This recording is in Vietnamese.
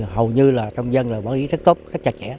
hầu như trong dân bảo vệ rất tốt rất chặt chẽ